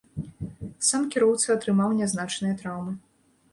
Сам кіроўца атрымаў нязначныя траўмы.